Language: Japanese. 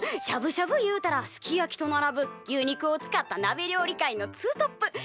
しゃぶしゃぶ言うたらすき焼きと並ぶ牛肉を使ったなべ料理界のツートップ。